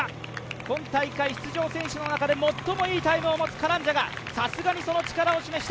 今大会出場選手の中で最もいいタイムを持つカランジャがさすがにその力を示しました。